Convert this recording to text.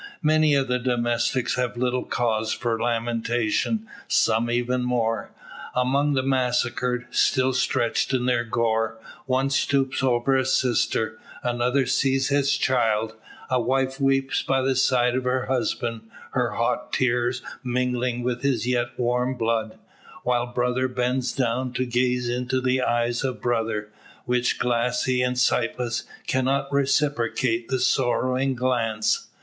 Many of the domestics have like cause for lamentation, some even more. Among the massacred, still stretched in their gore, one stoops over a sister; another sees his child; a wife weeps by the side of her husband, her hot tears mingling with his yet warm blood; while brother bends down to gaze into the eyes of brother, which, glassy and sightless, cannot reciprocate the sorrowing glance!